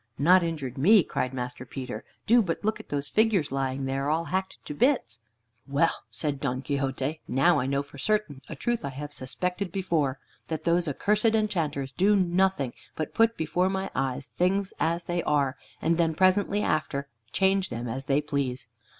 "Not injured me!" cried Master Peter. "Do but look at those figures lying there, all hacked to bits." "Well," said Don Quixote, "now I know for certain a truth I have suspected before, that those accursed enchanters do nothing but put before my eyes things as they are, and then presently after change them as they please.